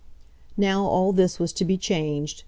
Now all this was to be changed.